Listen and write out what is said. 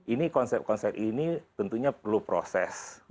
ini konsep konsep ini tentunya perlu proses